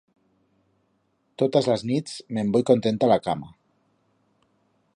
Totas las nits me'n voi contenta a la cama.